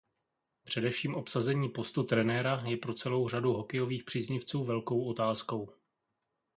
Především obsazení postu trenéra je pro celou řadu hokejových příznivců velkou otázkou.